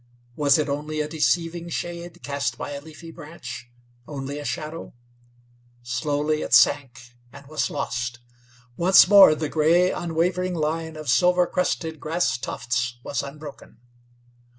Was it only a deceiving shade cast by a leafy branch only a shadow? Slowly it sank, and was lost. Once more the gray, unwavering line of silver crested grass tufts was unbroken.